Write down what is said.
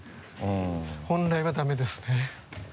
本来はダメですね。